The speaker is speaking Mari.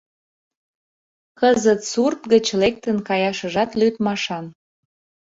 Кызыт сурт гыч лектын каяшыжат лӱдмашан.